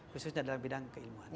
khususnya dalam bidang keilmuan